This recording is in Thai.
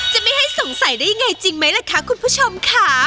จะไม่ให้สงสัยได้ยังไงจริงไหมล่ะคะคุณผู้ชมค่ะ